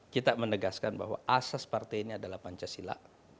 kita menegaskan bahwa asas partai ini adalah pancasila